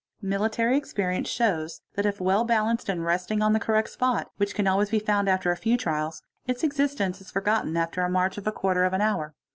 Military experience shows that if well balanced and resting on the correct spot, which can always be found after a few trials, its existence is forgotten after a march of a quarter of an hour.